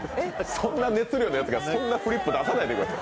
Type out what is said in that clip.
そんな熱量のやつがそんなフリップ出さないでください。